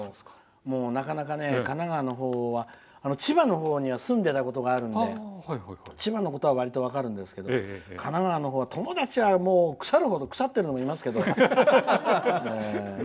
なかなか神奈川のほうは千葉のほうには住んでことがあるので千葉のことは分かりますが神奈川の方は友達は腐るほど腐ってるのもいますが。